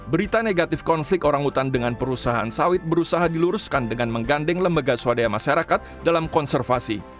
berita negatif konflik orang hutan dengan perusahaan sawit berusaha diluruskan dengan menggandeng lembaga swadaya masyarakat dalam konservasi